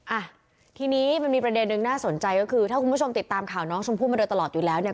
อ่ะทีนี้มันมีประเด็นหนึ่งน่าสนใจก็คือถ้าคุณผู้ชมติดตามข่าวน้องชมพู่มาโดยตลอดอยู่แล้วเนี่ย